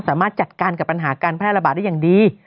สามารถจัดการกับปัญหาการแพร่ระบาดได้อย่างดี